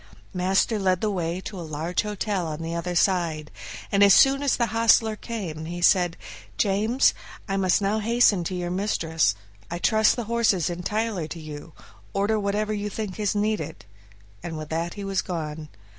Master led the way to a large hotel on the other side, and as soon as the hostler came, he said, "James, I must now hasten to your mistress; I trust the horses entirely to you, order whatever you think is needed," and with that he was gone.